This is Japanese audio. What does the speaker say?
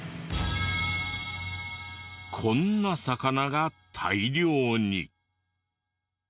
こんな魚が大量に。